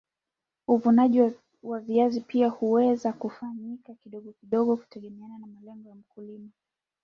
uvunaji wa viazi pia huweza kufanyika kidogo kidogo kutegemeana na malengo ya mkulima